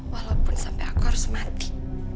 walaupun sampai aku harus mati